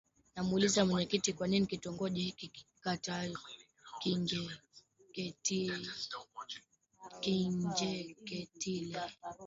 Namuuliza mwenyekiti kwa nini kitongoji hiki kikaitwa Kinjeketile